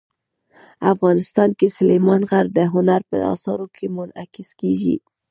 افغانستان کې سلیمان غر د هنر په اثارو کې منعکس کېږي.